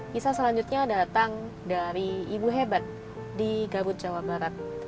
kisah selanjutnya datang dari ibu hebat di gabut jawa barat